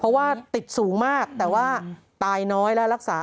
เพราะว่าติดสูงมากแต่ว่าตายน้อยและรักษา